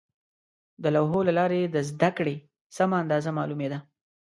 د لوحو له لارې د زده کړې سمه اندازه معلومېده.